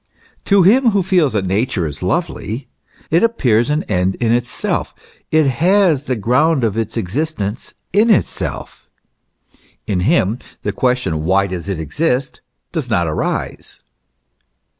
To him who feels that Nature is lovely, it appears an end in itself, it has the ground of its existence in itself : in him the question, Why does it exist ? does not arise.